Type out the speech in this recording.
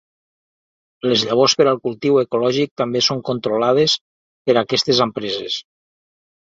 Les llavors per al cultiu ecològic també són controlades per aquestes empreses.